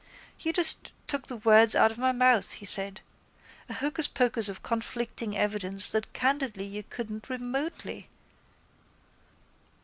—You just took the words out of my mouth, he said. A hocuspocus of conflicting evidence that candidly you couldn't remotely...